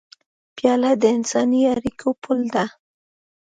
پیاله د انساني اړیکو پُل ده.